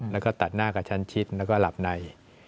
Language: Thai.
แล้วก็ตัดหน้ากระชั้นชิดแล้วก็หลับใน